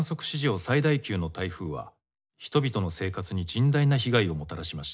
最大級の台風は人々の生活に甚大な被害をもたらしました。